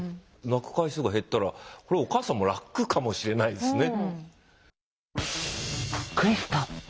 泣く回数が減ったらこれお母さんも楽かもしれないですね。